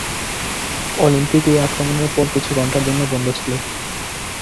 Olympic এই আক্রমণের পর কিছু ঘণ্টার জন্য বন্ধ ছিল।